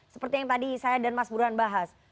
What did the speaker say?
seperti yang tadi saya dan mas burhan bahas